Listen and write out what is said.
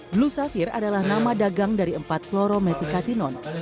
blue saphir adalah nama dagang dari empat chloromethicatinone